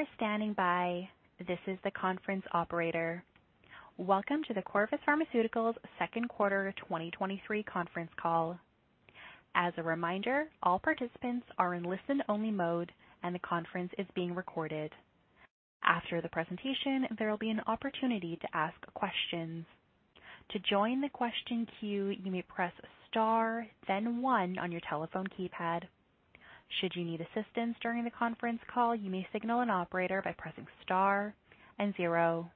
Thank you for standing by. This is the conference operator. Welcome to the Corvus Pharmaceuticals second quarter 2023 conference call. As a reminder, all participants are in listen-only mode, and the conference is being recorded. After the presentation, there will be an opportunity to ask questions. To join the question queue, you may press star, then one on your telephone keypad. Should you need assistance during the conference call, you may signal an operator by pressing star and zero.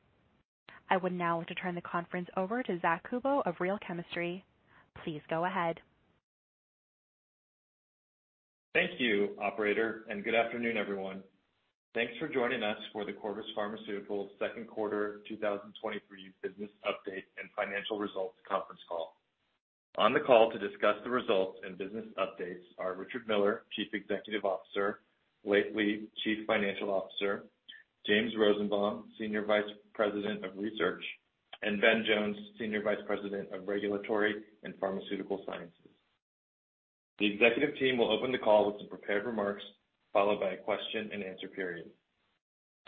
I would now like to turn the conference over to Zack Kubow of Real Chemistry. Please go ahead. Thank you, operator. Good afternoon, everyone. Thanks for joining us for the Corvus Pharmaceuticals second quarter 2023 business update and financial results conference call. On the call to discuss the results and business updates are Richard Miller, Chief Executive Officer, Leiv Lea, Chief Financial Officer, James Rosenbaum, Senior Vice President of Research, and Ben Jones, Senior Vice President of Regulatory and Pharmaceutical Sciences. The executive team will open the call with some prepared remarks, followed by a question-and-answer period.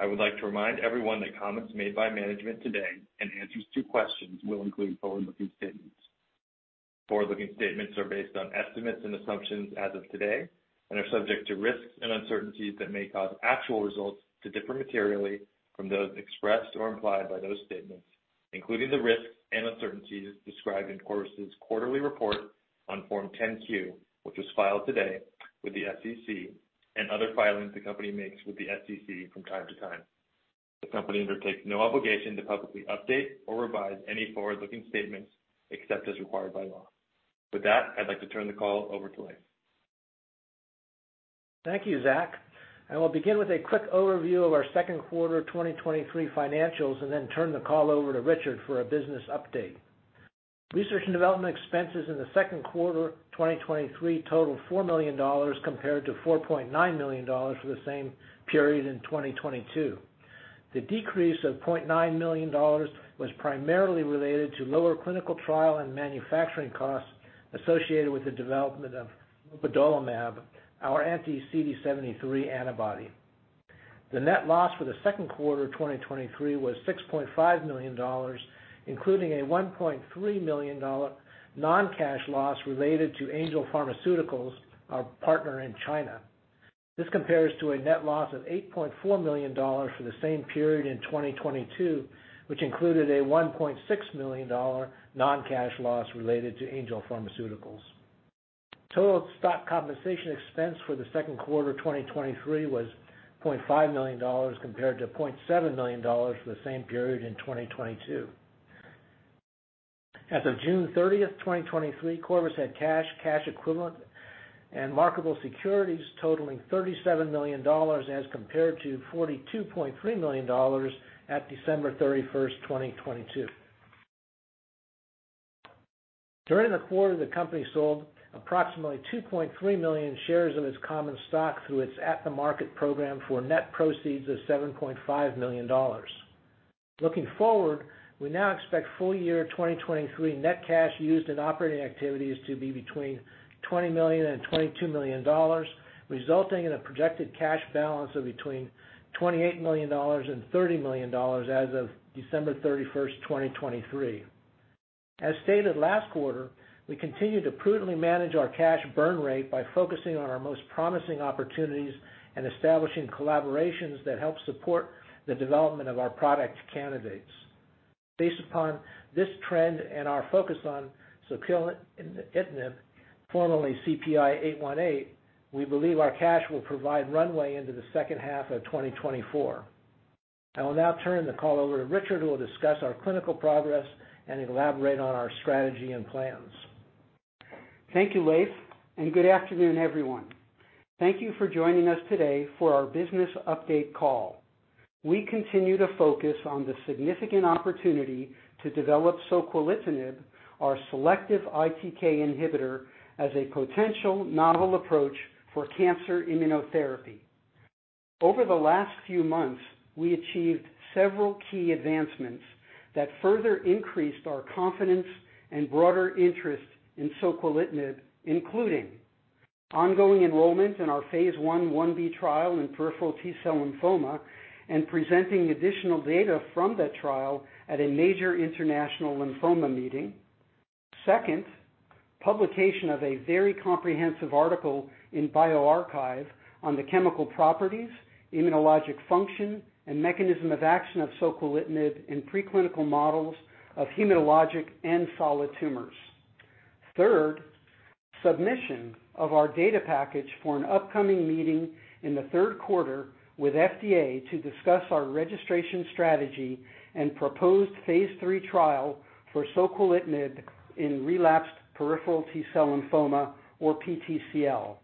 I would like to remind everyone that comments made by management today and answers to questions will include forward-looking statements. Forward-looking statements are based on estimates and assumptions as of today and are subject to risks and uncertainties that may cause actual results to differ materially from those expressed or implied by those statements, including the risks and uncertainties described in Corvus's quarterly report on Form 10-Q, which was filed today with the SEC, and other filings the company makes with the SEC from time to time. The company undertakes no obligation to publicly update or revise any forward-looking statements except as required by law. With that, I'd like to turn the call over to Leiv. Thank you, Zack. I will begin with a quick overview of our second quarter 2023 financials and then turn the call over to Richard for a business update. Research and development expenses in the second quarter 2023 totaled $4 million, compared to $4.9 million for the same period in 2022. The decrease of $0.9 million was primarily related to lower clinical trial and manufacturing costs associated with the development of mupadolimab, our anti-CD73 antibody. The net loss for the second quarter of 2023 was $6.5 million, including a $1.3 million non-cash loss related to Angel Pharmaceuticals, our partner in China. This compares to a net loss of $8.4 million for the same period in 2022, which included a $1.6 million non-cash loss related to Angel Pharmaceuticals. Total stock compensation expense for the second quarter 2023 was $0.5 million, compared to $0.7 million for the same period in 2022. As of June 30, 2023, Corvus had cash, cash equivalent, and marketable securities totaling $37 million as compared to $42.3 million at December 31, 2022. During the quarter, the company sold approximately 2.3 million shares of its common stock through its at-the-market program for net proceeds of $7.5 million. Looking forward, we now expect full year 2023 net cash used in operating activities to be between $20 million and $22 million, resulting in a projected cash balance of between $28 million and $30 million as of December 31, 2023. As stated last quarter, we continue to prudently manage our cash burn rate by focusing on our most promising opportunities and establishing collaborations that help support the development of our product candidates. Based upon this trend and our focus on soquelitinib, formerly CPI-818, we believe our cash will provide runway into the second half of 2024. I will now turn the call over to Richard, who will discuss our clinical progress and elaborate on our strategy and plans. Thank you, Leiv. Good afternoon, everyone. Thank Thank you for joining us today for our business update call. We continue to focus on the significant opportunity to develop soquelitinib, our selective ITK inhibitor, as a potential novel approach for cancer immunotherapy. Over the last few months, we achieved several key advancements that further increased our confidence and broader interest in soquelitinib, including ongoing enrollment in our Phase 1/1b trial in peripheral T-cell lymphoma and presenting additional data from that trial at a major international lymphoma meeting. Second, publication of a very comprehensive article in bioRxiv on the chemical properties, immunologic function, and mechanism of action of soquelitinib in preclinical models of hematologic and solid tumors. Third, submission of our data package for an upcoming meeting in the third quarter with FDA to discuss our registration strategy and proposed phase 3 trial for soquelitinib in relapsed peripheral T cell lymphoma or PTCL.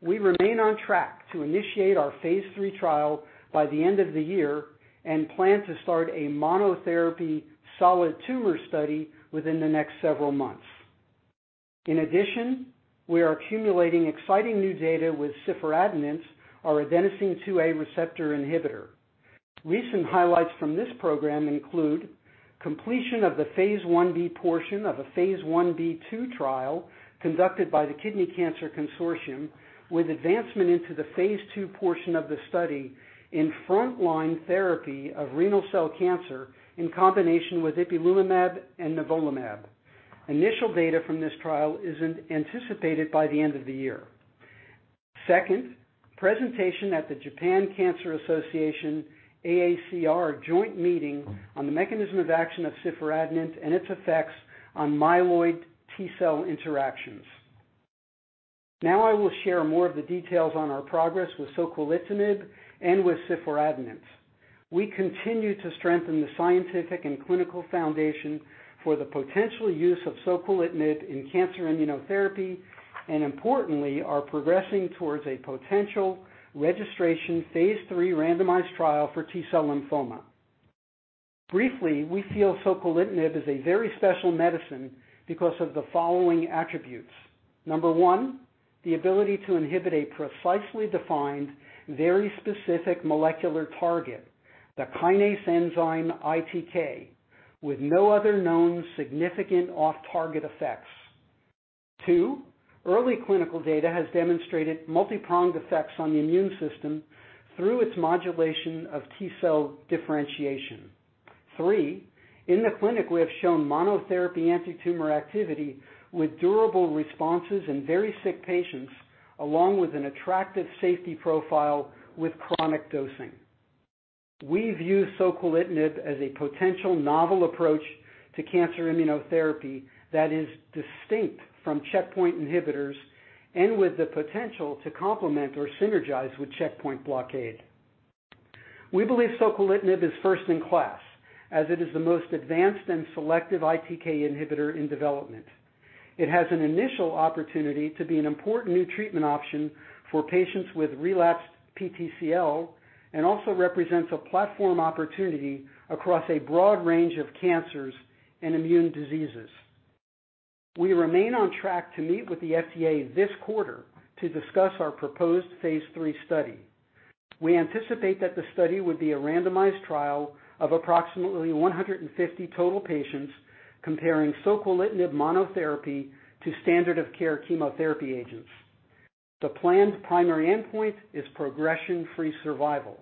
We remain on track to initiate our phase 3 trial by the end of the year and plan to start a monotherapy solid tumor study within the next several months. In addition, we are accumulating exciting new data with siforadenant, our adenosine A2A receptor inhibitor. Recent highlights from this program include completion of the phase 1b portion of a phase 1b/2 trial conducted by the Kidney Cancer Consortium, with advancement into the phase 2 portion of the study in frontline therapy of renal cell carcinoma in combination with ipilimumab and nivolumab. Initial data from this trial is anticipated by the end of the year. Second, presentation at the Japanese Cancer Association/AACR Joint Meeting on the mechanism of action of siforadenant and its effects on myeloid T-cell interactions. Now I will share more of the details on our progress with soquelitinib and with siforadenant. We continue to strengthen the scientific and clinical foundation for the potential use of soquelitinib in cancer immunotherapy, and importantly, are progressing towards a potential registration Phase III randomized trial for T-cell lymphoma. Briefly, we feel soquelitinib is a very special medicine because of the following attributes. 1, the ability to inhibit a precisely defined, very specific molecular target, the kinase enzyme ITK, with no other known significant off-target effects. two, early clinical data has demonstrated multipronged effects on the immune system through its modulation of T-cell differentiation. Three, in the clinic, we have shown monotherapy antitumor activity with durable responses in very sick patients, along with an attractive safety profile with chronic dosing. We view soquelitinib as a potential novel approach to cancer immunotherapy that is distinct from checkpoint inhibitors and with the potential to complement or synergize with checkpoint blockade. We believe soquelitinib is first in class, as it is the most advanced and selective ITK inhibitor in development. It has an initial opportunity to be an important new treatment option for patients with relapsed PTCL, and also represents a platform opportunity across a broad range of cancers and immune diseases. We remain on track to meet with the FDA this quarter to discuss our proposed phase III study. We anticipate that the study would be a randomized trial of approximately 150 total patients, comparing soquelitinib monotherapy to standard of care chemotherapy agents. The planned primary endpoint is progression-free survival.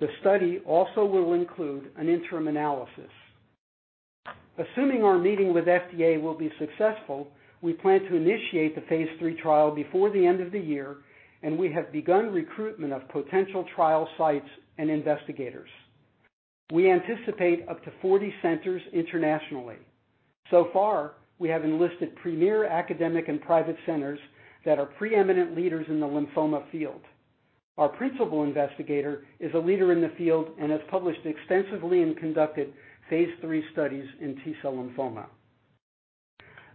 The study also will include an interim analysis. Assuming our meeting with FDA will be successful, we plan to initiate the Phase III trial before the end of the year, and we have begun recruitment of potential trial sites and investigators. So far, we have enlisted premier academic and private centers that are preeminent leaders in the lymphoma field. Our principal investigator is a leader in the field and has published extensively and conducted Phase III studies in T-cell lymphoma.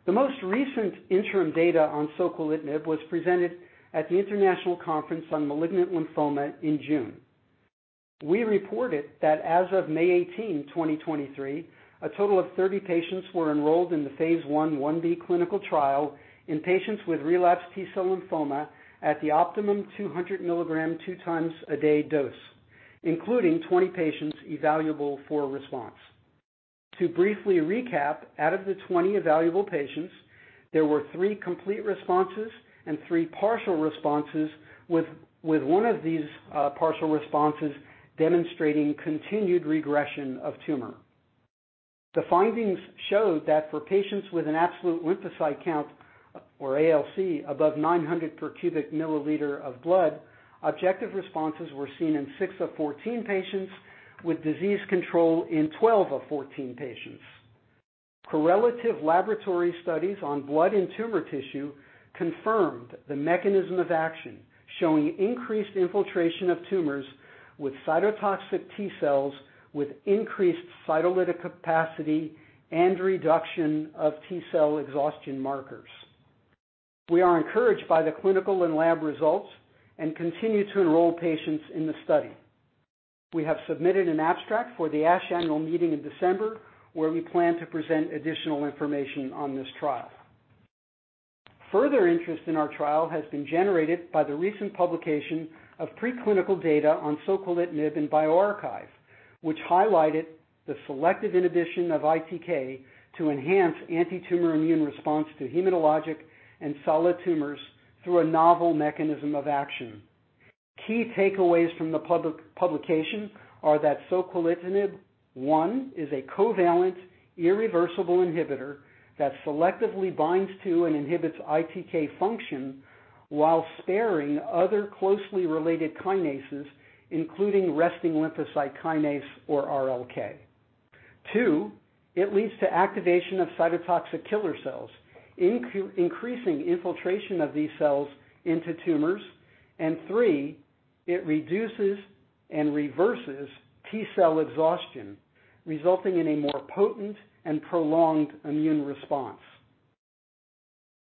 The most recent interim data on soquelitinib was presented at the International Conference on Malignant Lymphoma in June. We reported that as of May 18, 2023, a total of 30 patients were enrolled in the Phase 1/1b clinical trial in patients with relapsed T-cell lymphoma at the optimum 200 mg, 2 times a day dose, including 20 patients evaluable for a response. To briefly recap, out of the 20 evaluable patients, there were three complete responses and three partial responses, with one of these partial responses demonstrating continued regression of tumor. The findings showed that for patients with an absolute lymphocyte count, or ALC, above 900 per cubic milliliter of blood, objective responses were seen in 6 of 14 patients, with disease control in 12 of 14 patients. Correlative laboratory studies on blood and tumor tissue confirmed the mechanism of action, showing increased infiltration of tumors with cytotoxic T cells, with increased cytolytic capacity and reduction of T-cell exhaustion markers. We are encouraged by the clinical and lab results and continue to enroll patients in the study. We have submitted an abstract for the ASH annual meeting in December, where we plan to present additional information on this trial. Further interest in our trial has been generated by the recent publication of preclinical data on soquelitinib in bioRxiv, which highlighted the selective inhibition of ITK to enhance antitumor immune response to hematologic and solid tumors through a novel mechanism of action. Key takeaways from the publication are that soquelitinib, 1, is a covalent irreversible inhibitor that selectively binds to and inhibits ITK function while sparing other closely related kinases, including resting lymphocyte kinase, or RLK. two, it leads to activation of cytotoxic killer cells, increasing infiltration of these cells into tumors. Three, it reduces and reverses T-cell exhaustion, resulting in a more potent and prolonged immune response.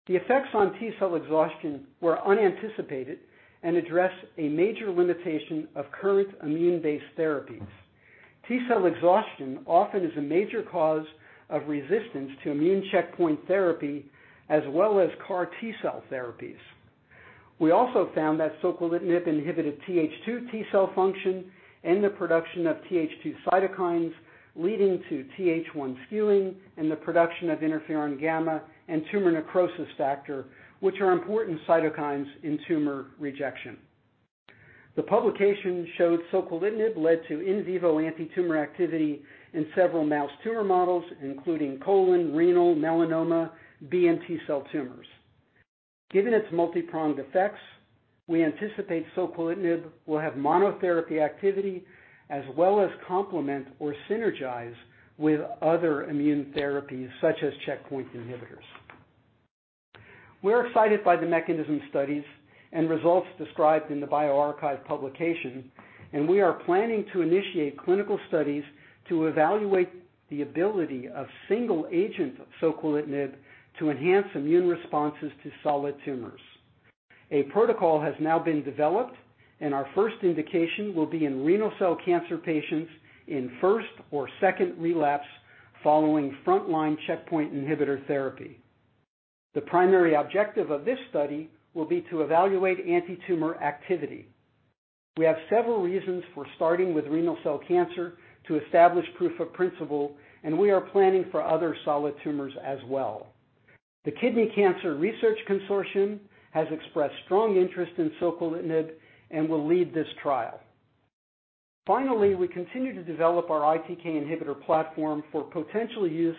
The effects on T-cell exhaustion were unanticipated and address a major limitation of current immune-based therapies. T-cell exhaustion often is a major cause of resistance to immune checkpoint therapy, as well as CAR T-cell therapies.... We also found that soquelitinib inhibited TH2 T-cell function and the production of TH2 cytokines, leading to TH1 skewing and the production of interferon-γ and tumor necrosis factor, which are important cytokines in tumor rejection. The publication showed soquelitinib led to in vivo antitumor activity in several mouse tumor models, including colon, renal, melanoma, B- and T-cell tumors. Given its multipronged effects, we anticipate soquelitinib will have monotherapy activity, as well as complement or synergize with other immune therapies, such as checkpoint inhibitors. We're excited by the mechanism studies and results described in the bioRxiv publication, we are planning to initiate clinical studies to evaluate the ability of single-agent soquelitinib to enhance immune responses to solid tumors. A protocol has now been developed, and our first indication will be in renal cell cancer patients in first or second relapse following frontline checkpoint inhibitor therapy. The primary objective of this study will be to evaluate antitumor activity. We have several reasons for starting with renal cell cancer to establish proof of principle, and we are planning for other solid tumors as well. The Kidney Cancer Consortium has expressed strong interest in soquelitinib and will lead this trial. Finally, we continue to develop our ITK inhibitor platform for potential use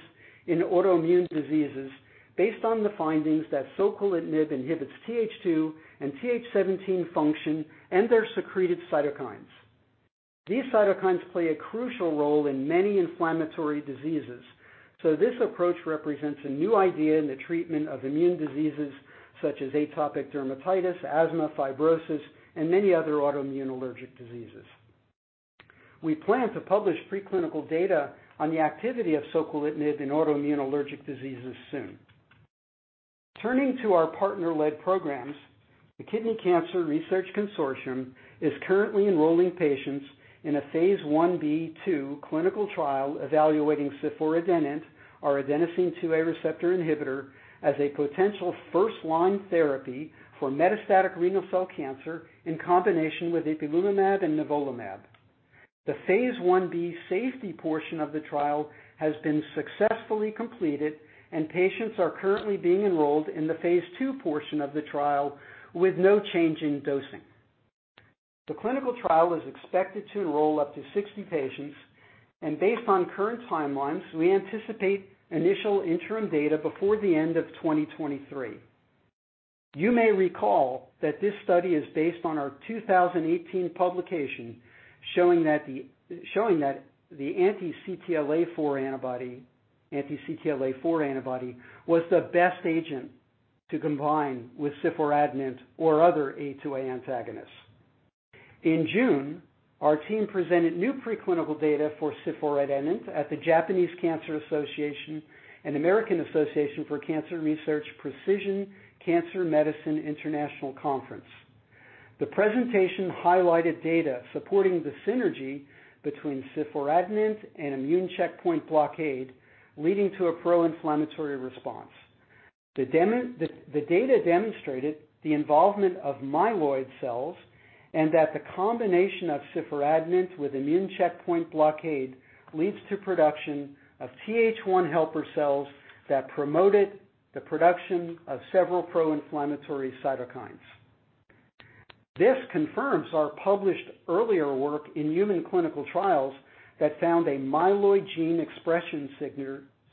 in autoimmune diseases based on the findings that soquelitinib inhibits TH2 and TH17 function and their secreted cytokines. These cytokines play a crucial role in many inflammatory diseases, so this approach represents a new idea in the treatment of immune diseases such as atopic dermatitis, asthma, fibrosis, and many other autoimmune allergic diseases. We plan to publish preclinical data on the activity of soquelitinib in autoimmune allergic diseases soon. The Kidney Cancer Consortium is currently enrolling patients in a phase 1b/2 clinical trial evaluating siforadenant, our adenosine 2A receptor inhibitor, as a potential first-line therapy for metastatic renal cell cancer in combination with ipilimumab and nivolumab. The phase 1b safety portion of the trial has been successfully completed, and patients are currently being enrolled in the phase two portion of the trial with no change in dosing. The clinical trial is expected to enroll up to 60 patients. Based on current timelines, we anticipate initial interim data before the end of 2023. You may recall that this study is based on our 2018 publication, showing that the anti-CTLA-4 antibody was the best agent to combine with siforadenant or other A2A antagonists. In June, our team presented new preclinical data for siforadenant at the Japanese Cancer Association and American Association for Cancer Research Precision Cancer Medicine International Conference. The data demonstrated the involvement of myeloid cells and that the combination of siforadenant with immune checkpoint blockade leads to production of TH1 helper cells that promoted the production of several pro-inflammatory cytokines. This confirms our published earlier work in human clinical trials that found a myeloid gene expression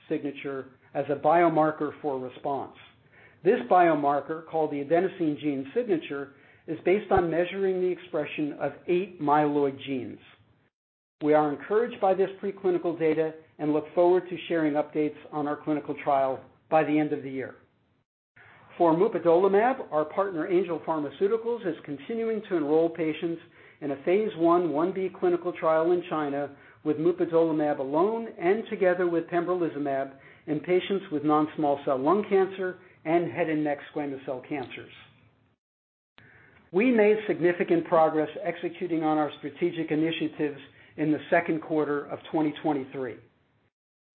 signature as a biomarker for response. This biomarker, called the adenosine gene signature, is based on measuring the expression of 8 myeloid genes. We are encouraged by this preclinical data and look forward to sharing updates on our clinical trial by the end of the year. For mupadolimab, our partner, Angel Pharmaceuticals, is continuing to enroll patients in a phase 1/1b clinical trial in China with mupadolimab alone and together with pembrolizumab in patients with non-small cell lung cancer and head and neck squamous cell cancers. We made significant progress executing on our strategic initiatives in the second quarter of 2023.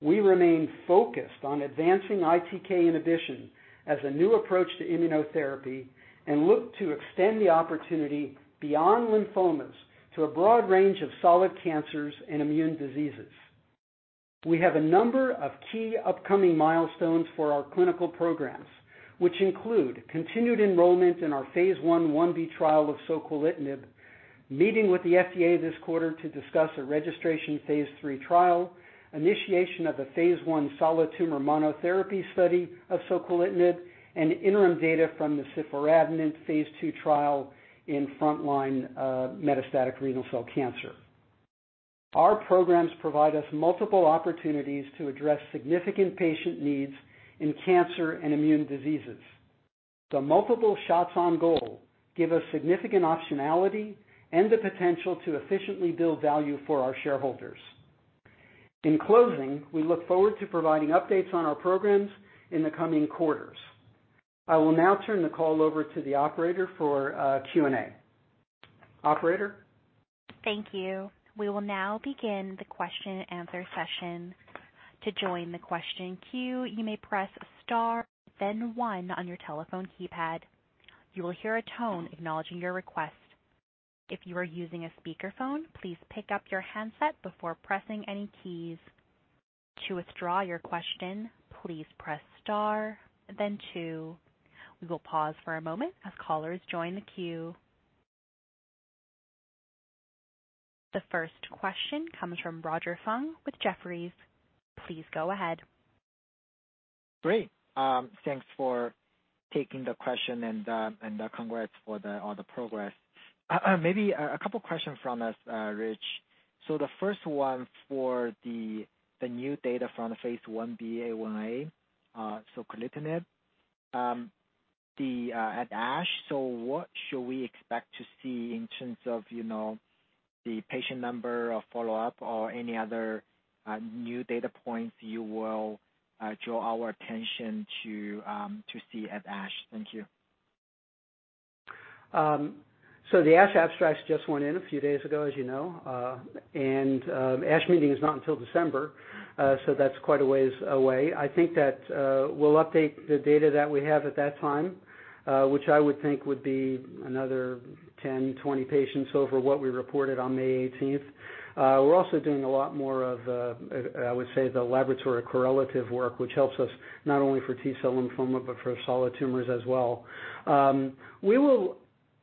We remain focused on advancing ITK inhibition as a new approach to immunotherapy and look to extend the opportunity beyond lymphomas to a broad range of solid cancers and immune diseases. We have a number of key upcoming milestones for our clinical programs, which include continued enrollment in our phase 1/1b trial of soquelitinib, meeting with the FDA this quarter to discuss a registration phase 3 trial, initiation of a phase 1 solid tumor monotherapy study of soquelitinib, and interim data from the siforadenant phase 2 trial in frontline, metastatic renal cell carcinoma. Our programs provide us multiple opportunities to address significant patient needs in cancer and immune diseases. The multiple shots on goal give us significant optionality and the potential to efficiently build value for our shareholders. In closing, we look forward to providing updates on our programs in the coming quarters. I will now turn the call over to the operator for Q&A. Operator? Thank you. We will now begin the question and answer session. To join the question queue, you may press star then one on your telephone keypad. You will hear a tone acknowledging your request. If you are using a speakerphone, please pick up your handset before pressing any keys. To withdraw your question, please press star then two. We will pause for a moment as callers join the queue. The first question comes from Roger Song with Jefferies. Please go ahead. Great. Thanks for taking the question and and congrats for the, all the progress. Maybe a couple questions from us, Rich. The first one for the, the new data from the phase 1/1b, soquelitinib, the at ASH, what should we expect to see in terms of, you know, the patient number or follow-up or any other new data points you will draw our attention to to see at ASH? Thank you. The ASH abstracts just went in a few days ago, as you know. ASH meeting is not until December, so that's quite a ways away. I think that we'll update the data that we have at that time, which I would think would be another 10, 20 patients over what we reported on May 18th. We're also doing a lot more of, I would say the laboratory correlative work, which helps us not only for T-cell lymphoma, but for solid tumors as well. We will,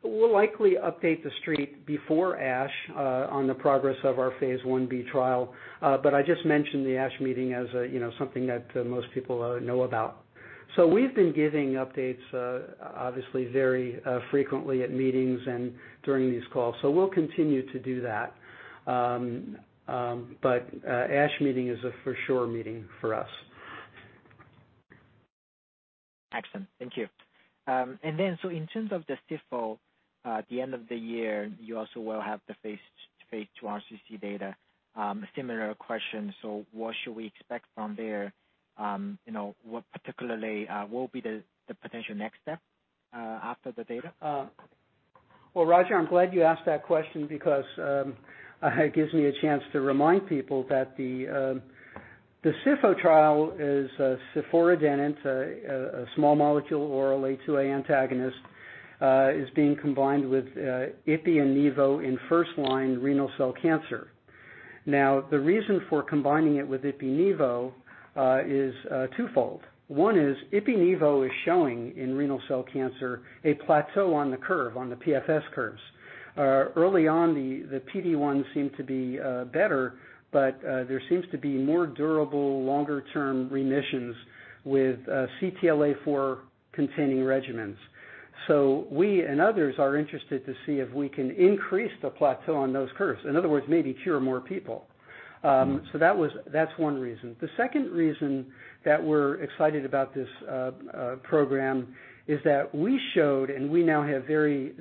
we'll likely update the street before ASH on the progress of our phase 1b trial. I just mentioned the ASH meeting as a, you know, something that most people know about. We've been giving updates, obviously very, frequently at meetings and during these calls, so we'll continue to do that. ASH meeting is a for sure meeting for us. Excellent. Thank you. In terms of the SIFO, at the end of the year, you also will have the phase, phase two RCC data. Similar question, what should we expect from there? You know, what particularly will be the, the potential next step after the data? Well, Roger, I'm glad you asked that question because it gives me a chance to remind people that the SIFO trial is siforadenant, a small molecule, oral A2A antagonist, is being combined with IPI and NIVO in first line renal cell cancer. The reason for combining it with IPI NIVO is twofold. One is IPI NIVO is showing in renal cell cancer, a plateau on the curve, on the PFS curves. Early on the, the PD1 seemed to be better, but there seems to be more durable, longer term remissions with CTLA-4 containing regimens. We and others are interested to see if we can increase the plateau on those curves, in other words, maybe cure more people. That was... That's one reason. The second reason that we're excited about this program is that we showed, and we now have very,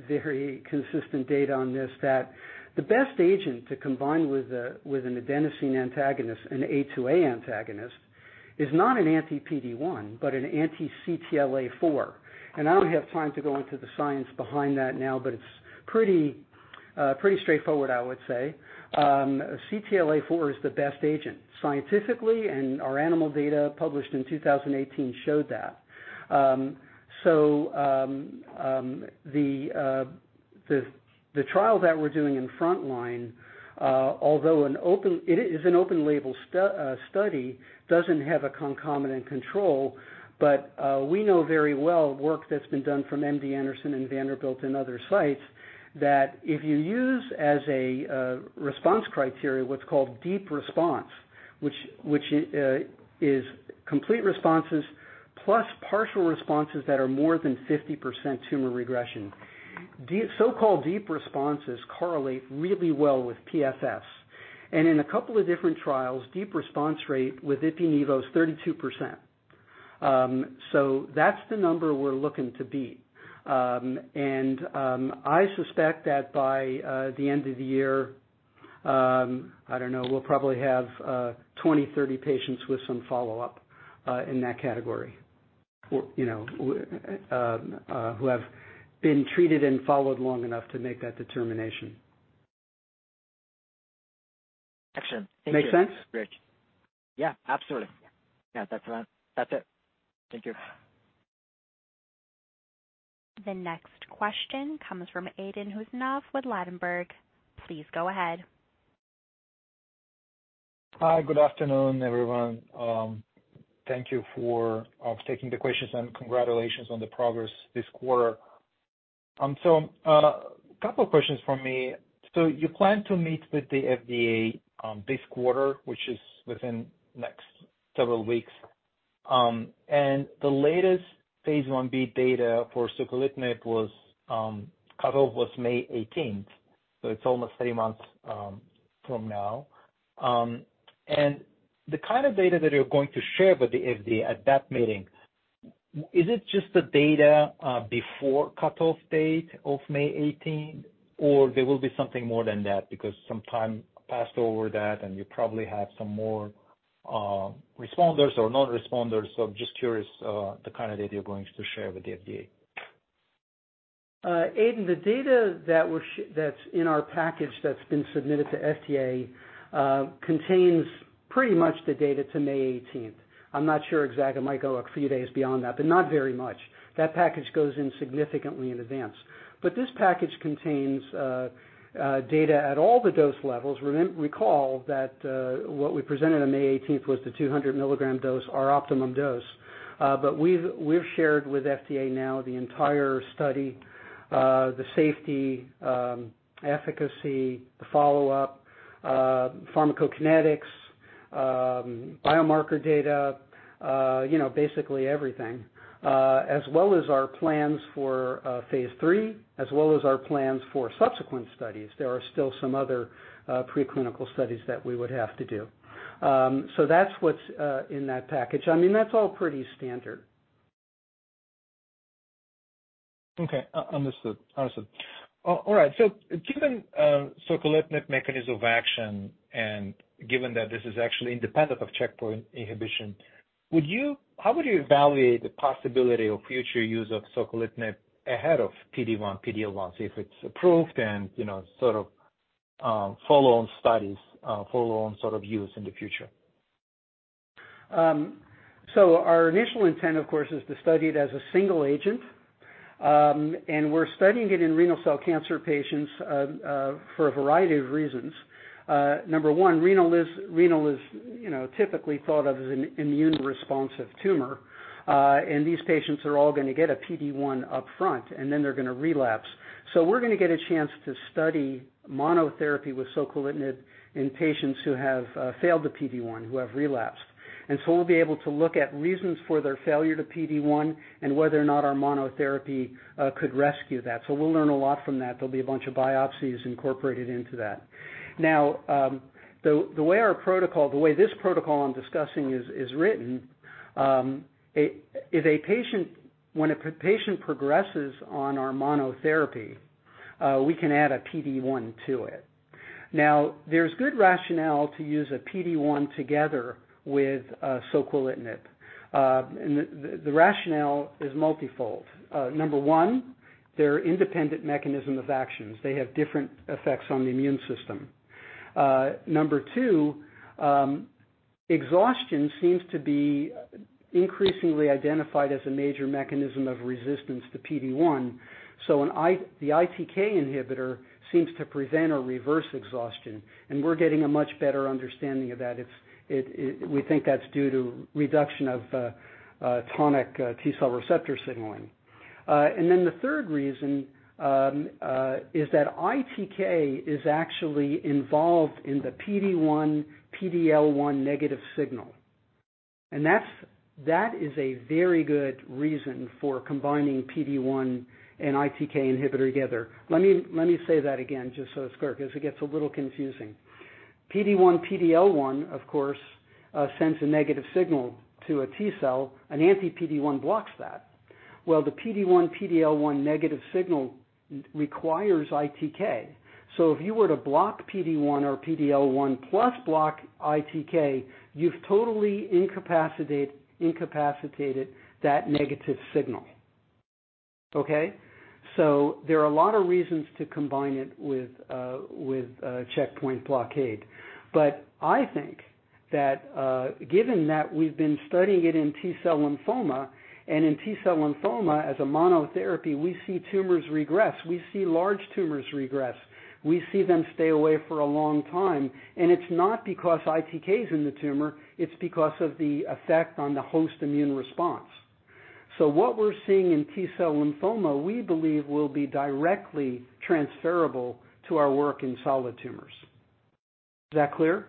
consistent data on this, that the best agent to combine with an adenosine antagonist, an A2A antagonist, is not an anti-PD1, but an anti-CTLA-4. I don't have time to go into the science behind that now, but it's pretty straightforward, I would say. CTLA-4 is the best agent. Scientifically, and our animal data published in 2018 showed that. The trial that we're doing in frontline, although an open, it is an open label study, doesn't have a concomitant control, but we know very well work that's been done from MD Anderson and Vanderbilt and other sites, that if you use as a response criteria, what's called deep response, which, which is complete responses, plus partial responses that are more than 50% tumor regression. Deep, so-called deep responses correlate really well with PFS. In a couple of different trials, deep response rate with ipi nivo is 32%. That's the number we're looking to beat. I suspect that by the end of the year, I don't know, we'll probably have 20, 30 patients with some follow-up in that category. you know, who have been treated and followed long enough to make that determination. Excellent. Thank you. Make sense? Great. Yeah, absolutely. Yeah, that's, that's it. Thank you. The next question comes from Aydin Huseynov with Ladenburg Thalmann Hi, good afternoon, everyone. Thank you for taking the questions, and congratulations on the progress this quarter. A couple of questions from me. You plan to meet with the FDA this quarter, which is within next several weeks. The latest phase 1b data for soquelitinib was cut off was May 18th, so it's almost 3 months from now. The kind of data that you're going to share with the FDA at that meeting, is it just the data before cutoff date of May 18th, or there will be something more than that? Because some time passed over that, and you probably have some more responders or non-responders. I'm just curious the kind of data you're going to share with the FDA. Aiden, the data that we're that's in our package, that's been submitted to FDA, contains pretty much the data to May eighteenth. I'm not sure exactly. It might go a few days beyond that, but not very much. That package goes in significantly in advance. This package contains data at all the dose levels. recall that what we presented on May 18th was the 200 milligram dose, our optimum dose. We've, we've shared with FDA now the entire study, the safety, efficacy, the follow-up, pharmacokinetics, biomarker data, you know, basically everything. As well as our plans for phase 3, as well as our plans for subsequent studies. There are still some other preclinical studies that we would have to do. That's what's in that package. I mean, that's all pretty standard. Okay. Understood. Understood. All right. Given soquelitinib mechanism of action, and given that this is actually independent of checkpoint inhibition, How would you evaluate the possibility of future use of soquelitinib ahead of PD-1, PD-L1, if it's approved and, you know, sort of, follow-on studies, follow-on sort of use in the future? Our initial intent, of course, is to study it as a single agent. We're studying it in renal cell carcinoma patients, for a variety of reasons. Number 1, renal is, renal is typically thought of as an immune responsive tumor. These patients are all going to get a PD-1 upfront, and then they're going to relapse. We're going to get a chance to study monotherapy with soquelitinib in patients who have failed the PD-1, who have relapsed. We'll be able to look at reasons for their failure to PD-1 and whether or not our monotherapy could rescue that. We'll learn a lot from that. There'll be a bunch of biopsies incorporated into that. Now, the, the way our protocol, the way this protocol I'm discussing is, is written, when a patient progresses on our monotherapy, we can add a PD-1 to it. Now, there's good rationale to use a PD-1 together with soquelitinib. The, the, the rationale is multifold. Number one, they're independent mechanism of actions. They have different effects on the immune system. Number two, exhaustion seems to be increasingly identified as a major mechanism of resistance to PD-1. An the ITK inhibitor seems to prevent or reverse exhaustion, and we're getting a much better understanding of that. It's, it, we think that's due to reduction of tonic T-cell receptor signaling. The third reason is that ITK is actually involved in the PD-1, PD-L1 negative signal, and that's, that is a very good reason for combining PD-1 and ITK inhibitor together. Let me, let me say that again, just so it's clear, 'cause it gets a little confusing. PD-1, PD-L1, of course, sends a negative signal to a T-cell, an anti-PD-1 blocks that. Well, the PD-1, PD-L1 negative signal requires ITK. If you were to block PD-1 or PD-L1, plus block ITK, you've totally incapacitated that negative signal, okay. There are a lot of reasons to combine it with checkpoint blockade. I think that, given that we've been studying it in T-cell lymphoma, and in T-cell lymphoma as a monotherapy, we see tumors regress. We see large tumors regress. We see them stay away for a long time. It's not because ITK is in the tumor, it's because of the effect on the host immune response. What we're seeing in T-cell lymphoma, we believe, will be directly transferable to our work in solid tumors. Is that clear?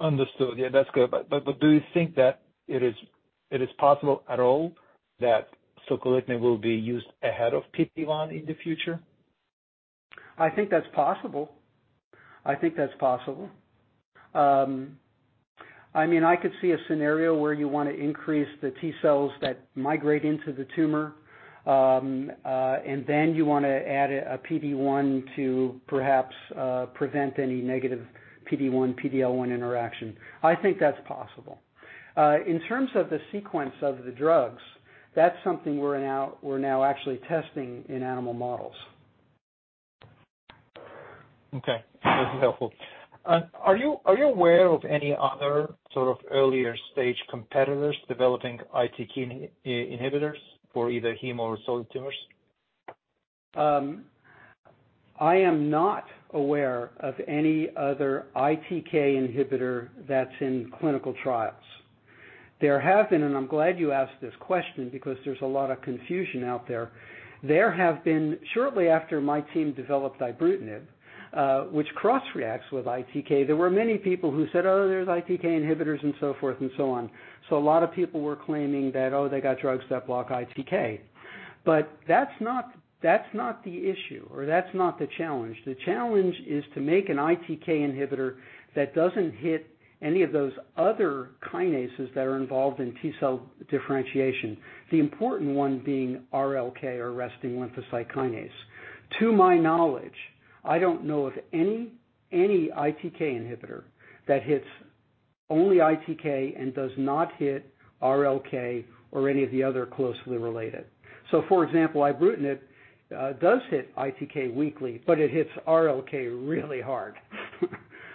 understood. Yeah, that's good. Do you think that it is possible at all that soquelitinib will be used ahead of PD1 in the future? I think that's possible. I think that's possible. I mean, I could see a scenario where you want to increase the T-cells that migrate into the tumor. Then you want to add a PD-1 to perhaps prevent any negative PD-1, PD-L1 interaction. I think that's possible. In terms of the sequence of the drugs, that's something we're now, we're now actually testing in animal models. Okay. That's helpful. Are you, are you aware of any other sort of earlier-stage competitors developing ITK inhibitors for either hemo or solid tumors? I am not aware of any other ITK inhibitor that's in clinical trials. There have been, and I'm glad you asked this question because there's a lot of confusion out there. There have been. Shortly after my team developed ibrutinib, which cross-reacts with ITK, there were many people who said, "Oh, there's ITK inhibitors," and so forth and so on. A lot of people were claiming that, oh, they got drugs that block ITK. That's not, that's not the issue, or that's not the challenge. The challenge is to make an ITK inhibitor that doesn't hit any of those other kinases that are involved in T-cell differentiation, the important one being RLK or resting lymphocyte kinase. To my knowledge, I don't know of any, any ITK inhibitor that hits only ITK and does not hit RLK or any of the other closely related. For example, ibrutinib does hit ITK weakly, but it hits RLK really hard.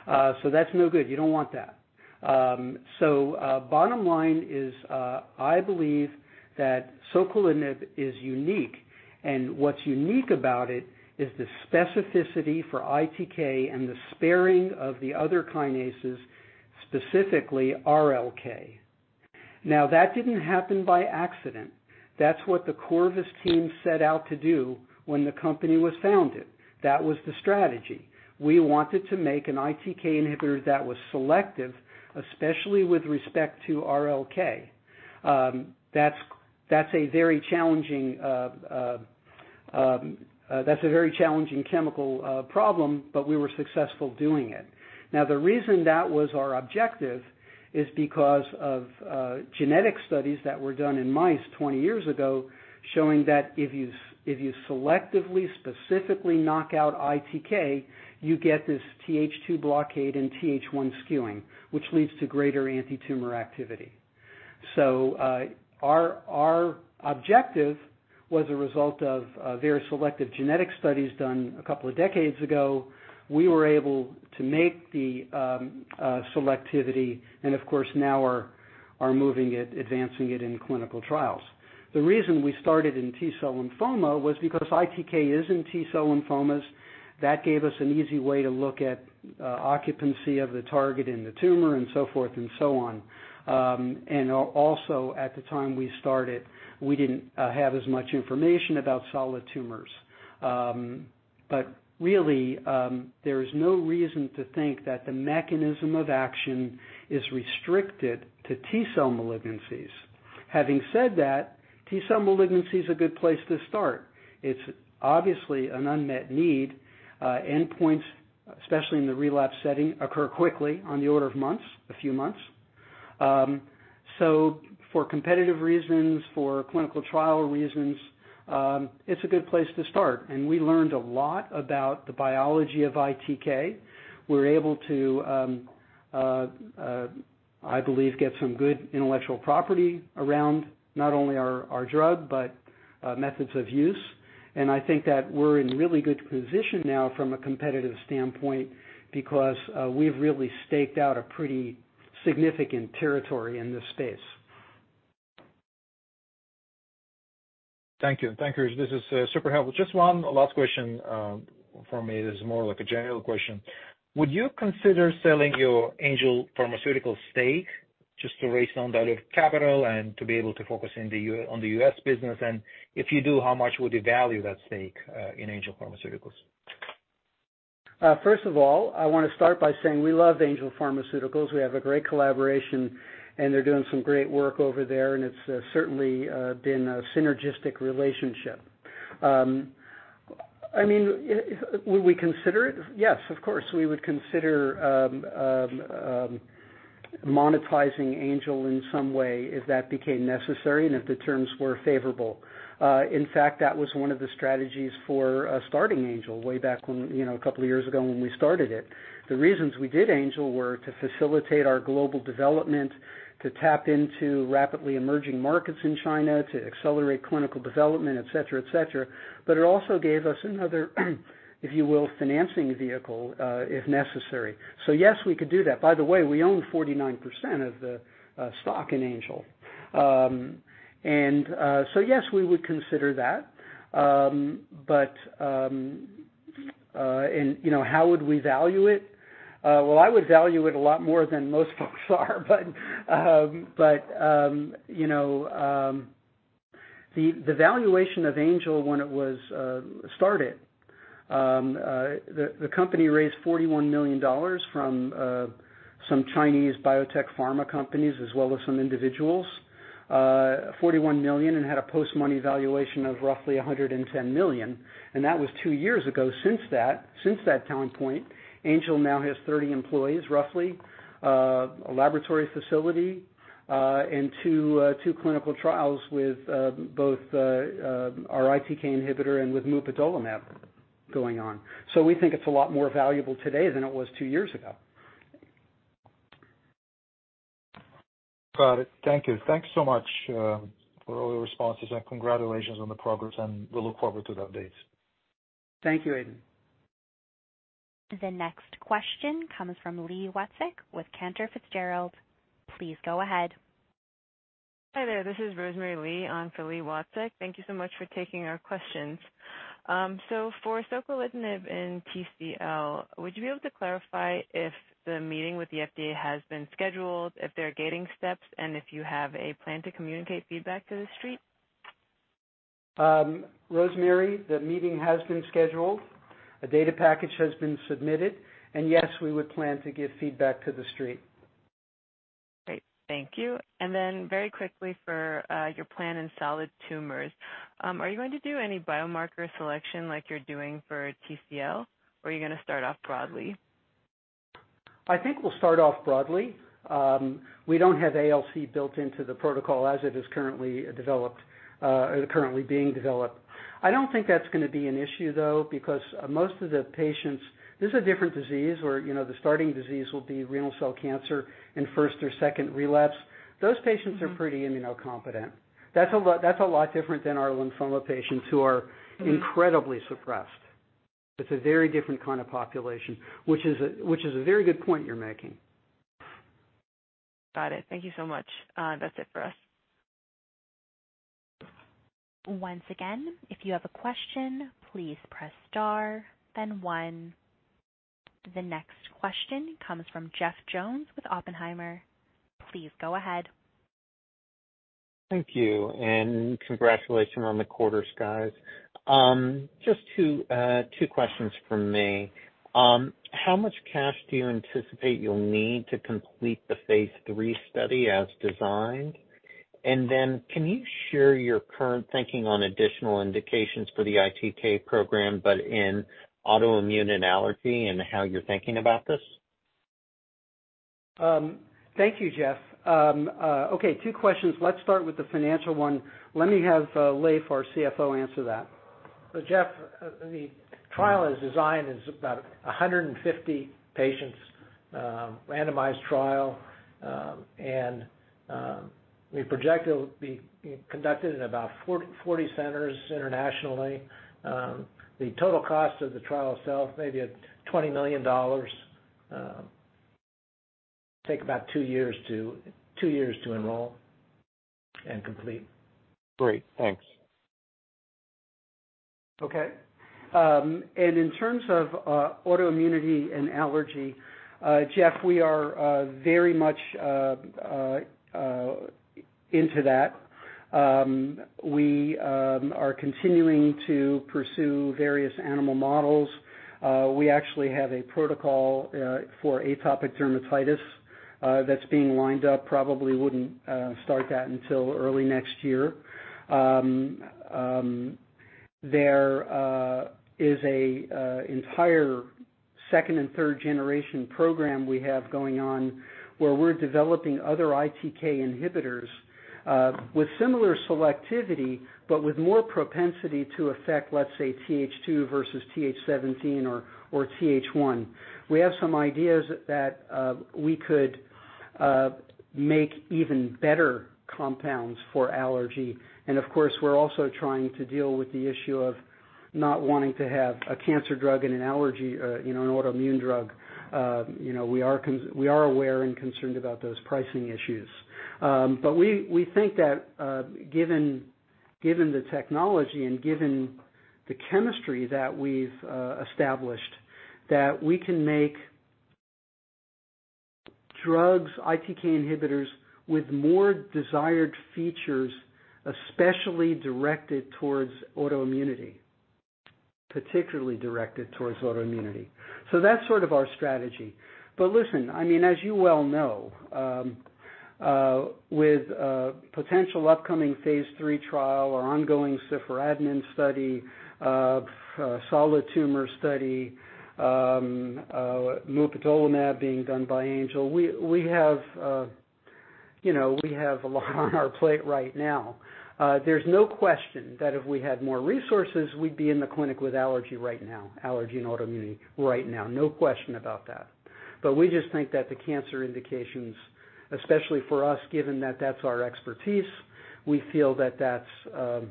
That's no good, you don't want that. Bottom line is, I believe that soquelitinib is unique, and what's unique about it is the specificity for ITK and the sparing of the other kinases, specifically RLK. Now, that didn't happen by accident. That's what the Corvus team set out to do when the company was founded. That was the strategy. We wanted to make an ITK inhibitor that was selective, especially with respect to RLK. That's, that's a very challenging, that's a very challenging chemical problem, but we were successful doing it. The reason that was our objective is because of genetic studies that were done in mice 20 years ago, showing that if you selectively, specifically knock out ITK, you get this TH2 blockade and TH1 skewing, which leads to greater antitumor activity. Our objective was a result of very selective genetic studies done two decades ago. We were able to make the selectivity and of course, now are, are moving it, advancing it in clinical trials. The reason we started in T-cell lymphoma was because ITK is in T-cell lymphomas. That gave us an easy way to look at occupancy of the target in the tumor and so forth and so on. Also at the time we started, we didn't have as much information about solid tumors. Really, there is no reason to think that the mechanism of action is restricted to T-cell malignancies. Having said that, T-cell malignancy is a good place to start. It's obviously an unmet need, endpoints, especially in the relapse setting, occur quickly on the order of months, a few months. For competitive reasons, for clinical trial reasons, it's a good place to start, and we learned a lot about the biology of ITK. We're able to, I believe, get some good intellectual property around not only our, our drug, but methods of use. I think that we're in really good position now from a competitive standpoint, because we've really staked out a pretty significant territory in this space. Thank you. Thank you. This is super helpful. Just one last question for me, it is more like a general question. Would you consider selling your Angel Pharmaceuticals stake just to raise on that capital and to be able to focus on the U.S. business? If you do, how much would you value that stake in Angel Pharmaceuticals? First of all, I want to start by saying we love Angel Pharmaceuticals. We have a great collaboration, and they're doing some great work over there, and it's certainly been a synergistic relationship. I mean, would we consider it? Yes, of course, we would consider monetizing Angel in some way, if that became necessary and if the terms were favorable. In fact, that was one of the strategies for starting Angel way back when, you know, a couple of years ago when we started it. The reasons we did Angel were to facilitate our global development, to tap into rapidly emerging markets in China, to accelerate clinical development, et cetera, et cetera. It also gave us another, if you will, financing vehicle, if necessary. Yes, we could do that. By the way, we own 49% of the stock in Angel. So yes, we would consider that. You know, how would we value it? Well, I would value it a lot more than most folks are, but, you know, the valuation of Angel when it was started, the company raised $41 million from some Chinese biotech pharma companies, as well as some individuals. $41 million and had a post-money valuation of roughly $110 million, and that was two years ago. Since that, since that time point, Angel now has 30 employees, roughly, a laboratory facility, and two clinical trials with both our ITK inhibitor and with mupadolimab going on. We think it's a lot more valuable today than it was two years ago. Got it. Thank you. Thank you so much, for all the responses, and congratulations on the progress, and we look forward to the updates. Thank you, Aiden. The next question comes from Leah Watsky with Cantor Fitzgerald. Please go ahead. Hi there, this is Rosemary Lee on for Leah Watsky. Thank you so much for taking our questions. For soquelitinib in TCL, would you be able to clarify if the meeting with the FDA has been scheduled, if there are gating steps, and if you have a plan to communicate feedback to the street? Rosemary, the meeting has been scheduled. A data package has been submitted, yes, we would plan to give feedback to the street. Great. Thank you. Very quickly, for your plan in solid tumors, are you going to do any biomarker selection like you're doing for TCL, or are you going to start off broadly? I think we'll start off broadly. We don't have ALC built into the protocol as it is currently developed, currently being developed. I don't think that's going to be an issue, though, because most of the patients, this is a different disease where, you know, the starting disease will be renal cell carcinoma in first or second relapse. Those patients are pretty immunocompetent. That's a lot, that's a lot different than our lymphoma patients who are incredibly suppressed. It's a very different kind of population, which is a, which is a very good point you're making. Got it. Thank you so much. That's it for us. Once again, if you have a question, please press Star, then One. The next question comes from Jeff Jones with Oppenheimer. Please go ahead. Thank you. Congratulations on the quarters, guys. Just two questions from me. How much cash do you anticipate you'll need to complete the phase three study as designed? Can you share your current thinking on additional indications for the ITK program, but in autoimmune and allergy, and how you're thinking about this? Thank you, Jeff. Okay, 2 questions. Let's start with the financial one. Let me have, Leiv, our CFO, answer that. Jeff, the trial is designed as about 150 patients, randomized trial. We project it'll be conducted in about 40 centers internationally. The total cost of the trial itself, maybe at $20 million. Take about 2 years to enroll and complete. Great. Thanks. Okay. In terms of autoimmunity and allergy, Jeff, we are very much into that. We are continuing to pursue various animal models. We actually have a protocol for atopic dermatitis that's being lined up. Probably wouldn't start that until early next year. There is a entire second- and third-generation program we have going on, where we're developing other ITK inhibitors with similar selectivity, but with more propensity to affect, let's say, TH2 versus TH17 or TH1. We have some ideas that we could make even better compounds for allergy. Of course, we're also trying to deal with the issue of not wanting to have a cancer drug and an allergy, you know, an autoimmune drug. You know, we are con- we are aware and concerned about those pricing issues. But we, we think that, given, given the technology and given the chemistry that we've established, that we can make drugs, ITK inhibitors, with more desired features, especially directed towards autoimmunity, particularly directed towards autoimmunity. So that's sort of our strategy. But listen, I mean, as you well know, with a potential upcoming phase three trial, our ongoing siforadenant study, solid tumor study, mupadolimab being done by Angel, we, we have, you know, we have a lot on our plate right now. There's no question that if we had more resources, we'd be in the clinic with allergy right now, allergy and autoimmunity right now. No question about that. We just think that the cancer indications, especially for us, given that that's our expertise, we feel that that's,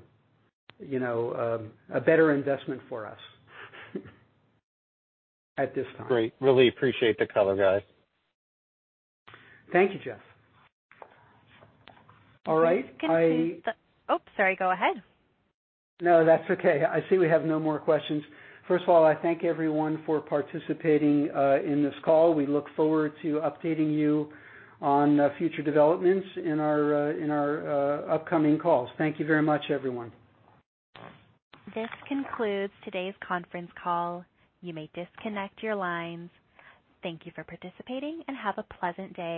you know, a better investment for us, at this time. Great. Really appreciate the color, guys. Thank you, Jeff. All right. Oops, sorry, go ahead. No, that's okay. I see we have no more questions. First of all, I thank everyone for participating in this call. We look forward to updating you on future developments in our in our upcoming calls. Thank you very much, everyone. This concludes today's conference call. You may disconnect your lines. Thank you for participating, and have a pleasant day.